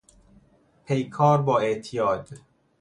پیکار با اعتیاد